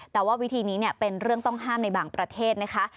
แต่ว่าวิธีนี้เป็นเรื่องต้องห้ามในบางประเทศนะคะ